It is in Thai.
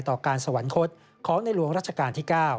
ต่อการสวรรคตของในหลวงรัชกาลที่๙